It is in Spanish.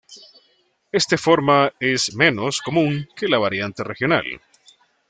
Este forma es menos común que la variante regional.